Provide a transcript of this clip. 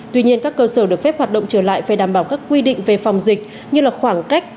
tuy nhiên các cơ sở được phép hoạt động trở lại phải đảm bảo các quy định về phòng dịch như là khoảng cách